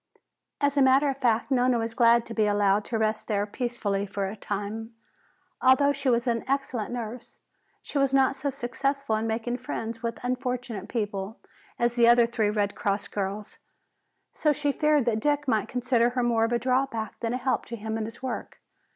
As a matter of fact, Nona was glad to be allowed to rest there peacefully for a time. Although she was an excellent nurse, she was not so successful in making friends with unfortunate people as the other three Red Cross girls. So she feared that Dick might consider her more of a drawback than a help to him in his work.